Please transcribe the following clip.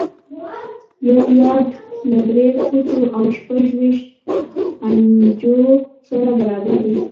یو یارډ له درې فوټو او شپږ ویشت انچو سره برابر دی.